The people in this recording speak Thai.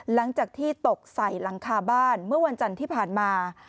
หลังจากที่ตกใส่หลังคาบ้านเมื่อวันจันทร์ที่ผ่านมา